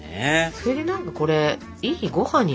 それで何かこれいいご飯になるな。